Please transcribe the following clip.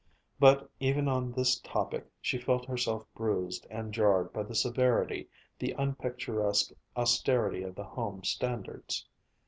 But even on this topic she felt herself bruised and jarred by the severity, the unpicturesque austerity of the home standards.